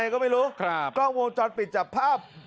ก็วงจอดปิดจากภาพ